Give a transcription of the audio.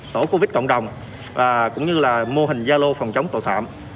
tổ covid cộng đồng cũng như là mô hình gia lô phòng chống tội phạm